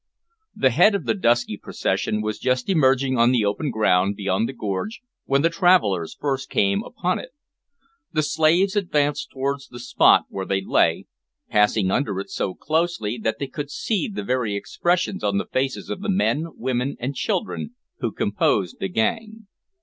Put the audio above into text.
The head of the dusky procession was just emerging on the open ground beyond the gorge when the travellers first came upon it. The slaves advanced towards the spot where they lay, passing under it so closely that they could see the very expressions on the faces of the men, women, and children who composed the gang.